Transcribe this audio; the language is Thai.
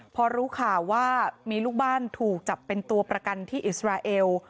พอรู้ข่าวว่ามีลูกบ้านถูกจับเป็นตัวประกันที่อิสราเอล